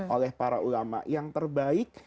oleh para ulama yang terbaik